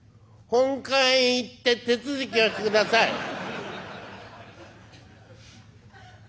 「本館へ行って手続きをしてください」。